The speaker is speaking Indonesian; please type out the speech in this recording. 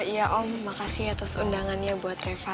ya om makasih atas undangannya buat reva